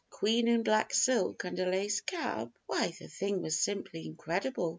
A Queen in black silk and a lace cap! Why, the thing was simply incredible.